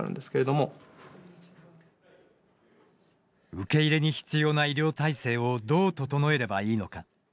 受け入れに必要な医療体制をどう整えればいいのか。